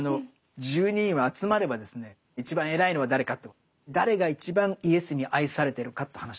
十二人は集まればですね一番偉いのは誰かと誰が一番イエスに愛されてるかと話してるんです。